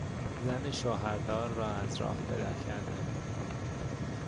زن شوهردار را از راه به در کردن